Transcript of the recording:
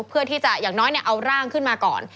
เพื่อที่จะอย่างน้อยเนี่ยเอาร่างขึ้นมาก่อน